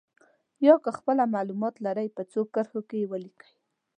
یا که خپله معلومات لرئ په څو کرښو کې یې ولیکئ.